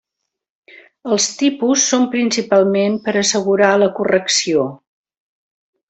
Els tipus són principalment per a assegurar la correcció.